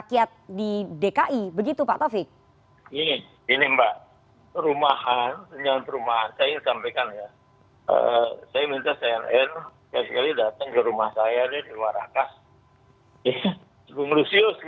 kita harus jeda terlebih dahulu